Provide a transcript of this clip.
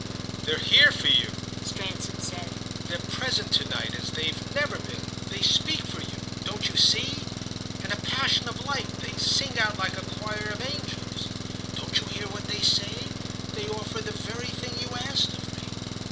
"They're here for you," Stransom said, "they're present to night as they've never been. They speak for you—don't you see?—in a passion of light; they sing out like a choir of angels. Don't you hear what they say?—they offer the very thing you asked of me."